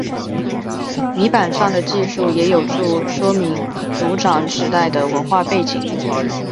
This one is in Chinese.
泥版上的记述也有助说明族长时代的文化背景。